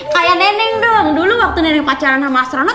kayak neneng dong dulu waktu neneng pacaran sama astronot